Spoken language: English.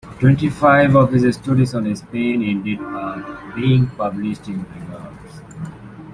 Twenty five of his stories on Spain ended up being published in Regards.